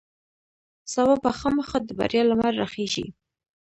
سبا به خامخا د بریا لمر راخیژي.